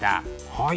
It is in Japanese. はい。